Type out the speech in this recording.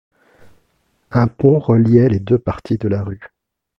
Un pont reliait les deux parties de la rue.